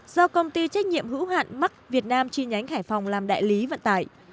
do công ty trách nhiệm hữu hạn mac việt nam chi nhánh hải phòng làm đại lý vận tải